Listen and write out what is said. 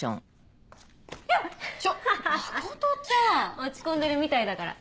落ち込んでるみたいだから。